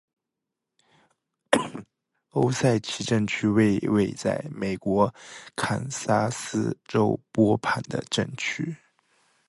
欧塞奇镇区为位在美国堪萨斯州波旁县的镇区。